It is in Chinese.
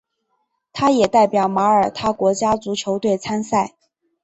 他也代表马耳他国家足球队参赛。